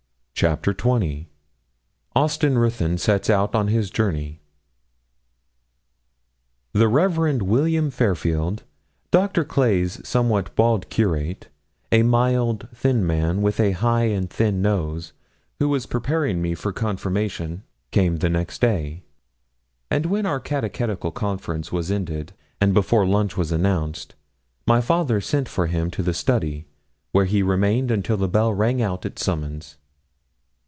CHAPTER XX AUSTIN RUTHYN SETS OUT ON HIS JOURNEY The Rev. William Fairfield, Doctor Clay's somewhat bald curate, a mild, thin man, with a high and thin nose, who was preparing me for confirmation, came next day; and when our catechetical conference was ended, and before lunch was announced, my father sent for him to the study, where he remained until the bell rang out its summons.